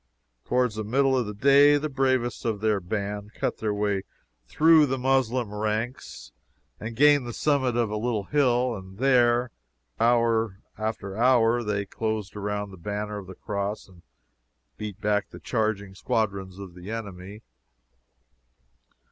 Towards the middle of the day the bravest of their band cut their way through the Moslem ranks and gained the summit of a little hill, and there, hour after hour, they closed around the banner of the Cross, and beat back the charging squadrons of the enemy.